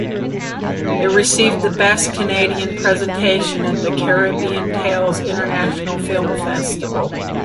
It received the Best Canadian Presentation at the Caribbean Tales international Film Festival.